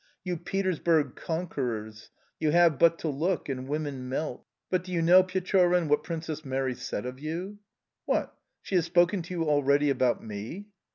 You Petersburg conquerors! You have but to look and women melt... But do you know, Pechorin, what Princess Mary said of you?"... "What? She has spoken to you already about me?"...